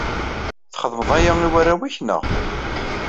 Txedmeḍ aya i warraw-ik, naɣ?